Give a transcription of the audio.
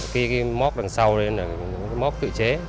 cái móc đằng sau đấy là móc tự chế